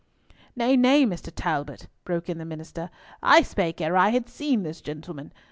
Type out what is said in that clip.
"Nay, nay, Mr. Talbot," broke in the minister, "I spake ere I had seen this gentleman.